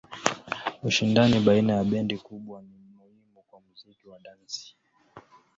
Ushindani baina ya bendi kubwa ni muhimu kwa muziki wa dansi.